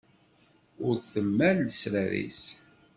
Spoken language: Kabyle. Ur temmal lesrar-is.